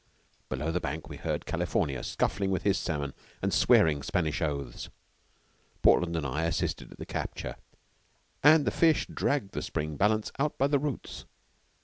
Below the bank we heard California scuffling with his salmon and swearing Spanish oaths. Portland and I assisted at the capture, and the fish dragged the spring balance out by the roots.